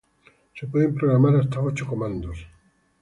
Se pueden programar hasta ocho comandos.